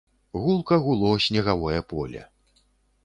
Гулка гуло снегавое поле.